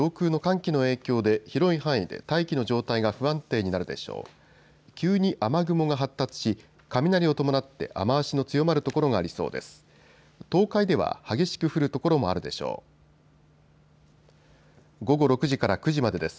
急に雨雲が発達し雷を伴って雨足の強まる所がありそうです。